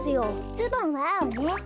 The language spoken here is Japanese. ズボンはあおね。